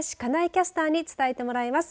キャスターに伝えてもらいます。